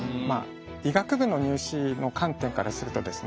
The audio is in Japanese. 医学部の入試の観点からするとですね